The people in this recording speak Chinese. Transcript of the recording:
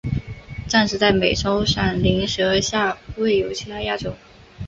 暂时在美洲闪鳞蛇下未有其它亚种。